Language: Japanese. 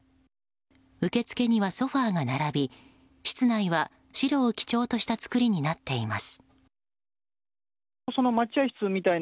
受け付けにはソファが並び室内は白を基調とした作りになっています。